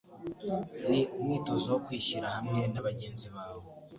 Ni umwitozo wo kwishyira hamwe na bagenzi bawe